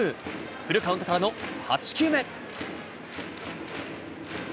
フルカウントからの８球目。